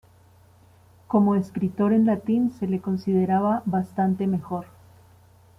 Como escritor en latín se le consideraba bastante mejor.